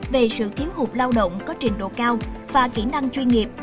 về sự thiếu hụt lao động có trình độ cao và kỹ năng chuyên nghiệp